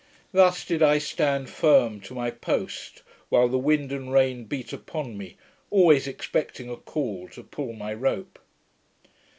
Thus did I stand firm to my post, while the wind and rain beat upon me, always expecting a call to pull my rope.